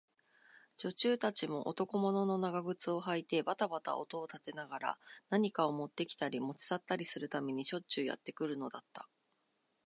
女中たちも、男物の長靴をはいてばたばた音を立てながら、何かをもってきたり、もち去ったりするためにしょっちゅうやってくるのだった。